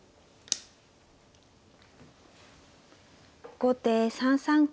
後手３三角。